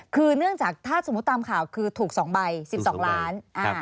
คือเนื่องจากถ้าสมมุติตามข่าวคือถูก๒ใบ๑๒ล้าน